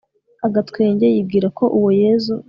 agatwenge, yibwira ko uwo yezu